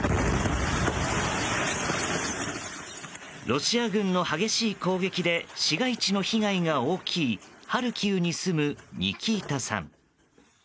ロシア軍の激しい攻撃で市街地の被害が大きいハルキウに住むニキータさん。